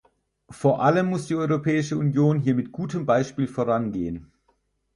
Vor allem muss die Europäische Union hier mit gutem Beispiel vorangehen.